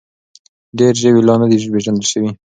ډېر ژوي لا نه دي پېژندل شوي.